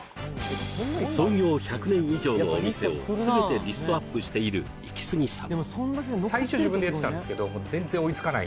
創業１００年以上のお店を全てリストアップしているイキスギさん